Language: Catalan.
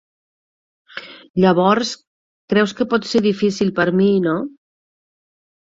Llavors, creus que pot ser difícil per a mi, no?